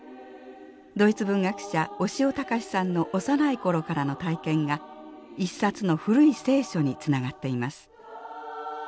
ドイツ文学者小塩節さんの幼い頃からの体験が一冊の古い聖書につながっています。